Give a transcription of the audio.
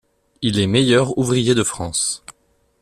Il est Meilleur ouvrier de France.